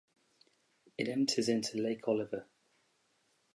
It empties into Lake Oliver.